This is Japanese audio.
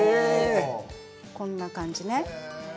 こんな感じね。